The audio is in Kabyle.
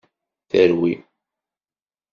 Terwi!